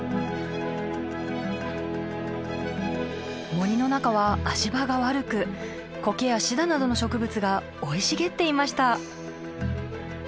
森の中は足場が悪くコケやシダなどの植物が生い茂っていました。